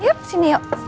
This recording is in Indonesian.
yuk sini yuk